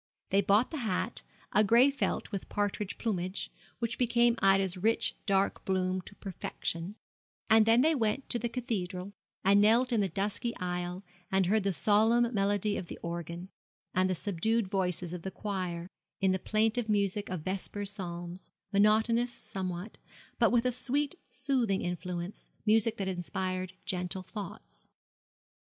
They bought the hat, a gray felt with partridge plumage, which became Ida's rich dark bloom to perfection; and then they went to the Cathedral, and knelt in the dusky aisle, and heard the solemn melody of the organ, and the subdued voices of the choir, in the plaintive music of Vesper Psalms, monotonous somewhat, but with a sweet soothing influence, music that inspired gentle thoughts.